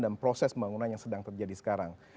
proses pembangunan yang sedang terjadi sekarang